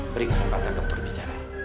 beri kesempatan dokter bicara